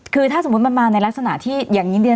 คือถ้าสมมุติมันมาในลักษณะที่อย่างนี้